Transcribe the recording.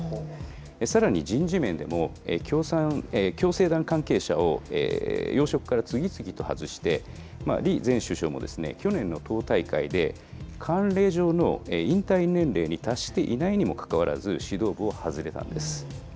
さらに、人事面でも、共青団関係者を要職から次々と外して、李前首相も去年の党大会で、慣例上の引退年齢に達していないにもかかわらず、指導部を外れたんです。